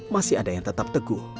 masih ada yang tetap teguh